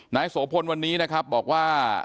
โสพลวันนี้นะครับบอกว่า